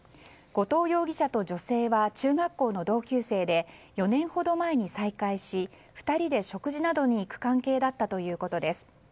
後藤容疑者と女性は中学校の同級生で４年ほど前に再会し２人で食事などに行く関係だったということです。